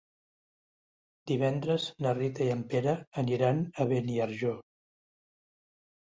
Divendres na Rita i en Pere aniran a Beniarjó.